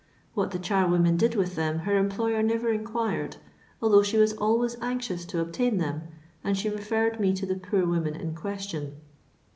What the charwoman did with them her employer never inquired, although she was always anxious to obtain them, and she referred me to the poor woman in question.